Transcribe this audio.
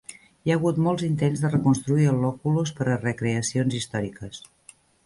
Hi ha hagut molts intents de reconstruir el "loculus" per a recreacions històriques.